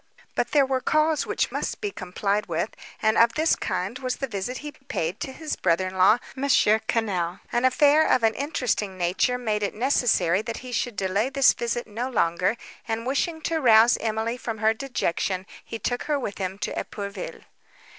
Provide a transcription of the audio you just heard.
But there were calls which must be complied with, and of this kind was the visit he paid to his brother in law M. Quesnel. An affair of an interesting nature made it necessary that he should delay this visit no longer, and, wishing to rouse Emily from her dejection, he took her with him to Epourville.